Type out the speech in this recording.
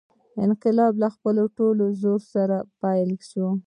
انقلاب له خپل ټول زور سره پیل شو.